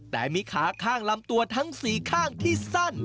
แต่มีขาข้างลำตัวทั้ง๔ข้างที่สั้น